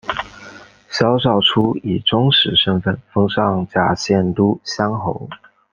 萧韶初以宗室身份封上甲县都乡侯。